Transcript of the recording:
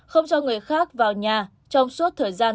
không cho người khác vào nhà trong suốt thời gian